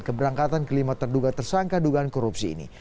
keberangkatan kelima terduga tersangka dugaan korupsi ini